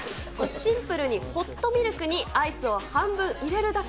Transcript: シンプルにホットミルクにアイスを半分入れるだけ。